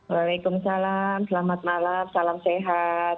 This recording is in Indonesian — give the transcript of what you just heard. waalaikumsalam selamat malam salam sehat